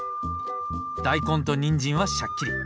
大根とにんじんはしゃっきり。